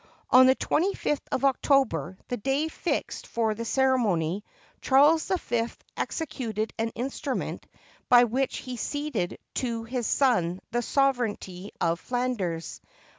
On the 25 th of October, the day fixed for the cere mony, Charles the Fifth executed an instrument by which he ceded to his son the sovereignty of Flanders.